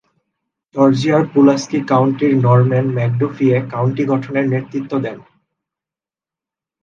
জর্জিয়ার পুলাস্কি কাউন্টির Norman McDuffie এ county গঠনের নেতৃত্ব দেন।